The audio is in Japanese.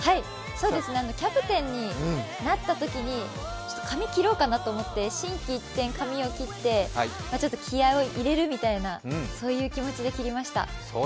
キャプテンになったときに髪切ろうかなと思って髪を切って、気合いを入れるみたいな気持ちで切りました。